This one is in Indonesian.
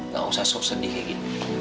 gak usah sok sedih kayak gini